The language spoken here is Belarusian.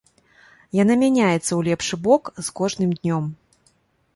Яна мяняецца ў лепшы бок з кожным днём.